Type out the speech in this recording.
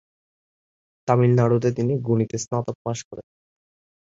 তামিলনাড়ু তে তিনি গণিতে স্নাতক পাশ করেন।